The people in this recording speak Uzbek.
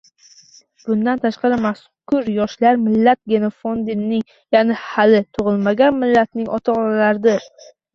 Bundan tashqari, mazkur yoshlar millat genofondining, ya’ni hali tug‘ilmagan millatning ota-onalaridir.